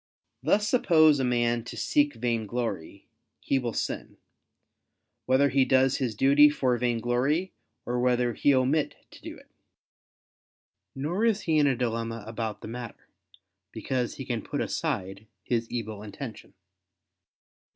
Thus suppose a man to seek vainglory, he will sin, whether he does his duty for vainglory or whether he omit to do it. Nor is he in a dilemma about the matter: because he can put aside his evil intention.